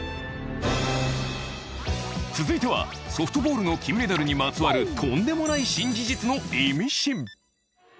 続いてはソフトボールの金メダルにまつわるとんでもない新事実のイミシン。